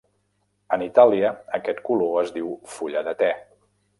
En italià aquest color es diu fulla de te.